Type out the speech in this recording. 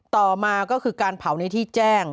ต่อมาก็คือการเผาในที่แจ้ง